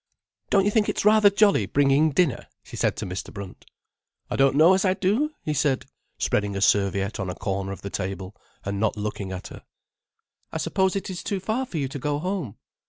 "Don't you think it's rather jolly bringing dinner?" she said to Mr. Brunt. "I don't know as I do," he said, spreading a serviette on a corner of the table, and not looking at her. "I suppose it is too far for you to go home?"